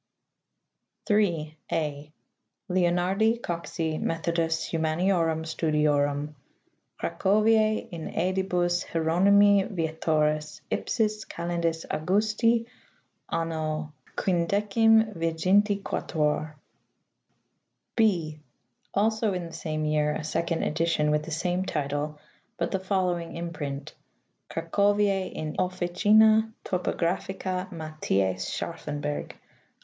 3. {a) Leonardi Coxi Methodus humaniorum studiorum. Cra coviae in sedibus Hieronymi Vietoris, ipsis Calendis Augusti Anno IM.D.XXVI. (8) Also in the same year a second edition with the same title, but the following imprint : Cracovis in officina typographica Matthiffi Scharffenberg.